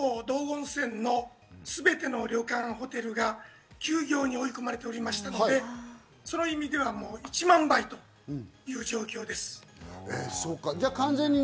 昨年は、道後温泉のほぼすべての旅館、ホテルが休業に追い込まれていましたので、その意味では１万倍という状況です。